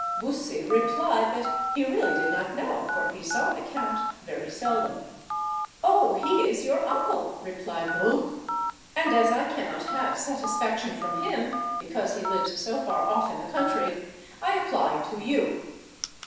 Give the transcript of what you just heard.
Bussy replied that he really did not know, for he saw the count very seldom. "Oh, he is your uncle!" replied Bruc; "and, as I cannot have satisfaction from him, because he lives so far off in the country, I apply to you."